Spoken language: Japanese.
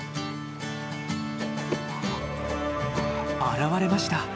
現れました。